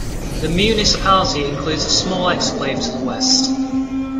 The municipality includes a small exclave to the west.